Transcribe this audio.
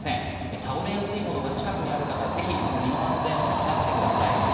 倒れやすいものが近くにある方はぜひ身の安全をはかってください。